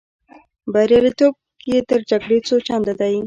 بریالیتوب یې تر جګړې څو چنده دی.